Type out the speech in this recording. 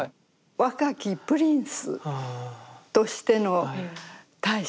若きプリンスとしての太子。